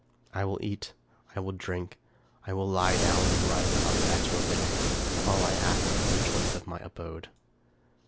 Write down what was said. I will eat — I will drink — I will lie down and rise up — at your bidding; all I ask is the choice of my abode.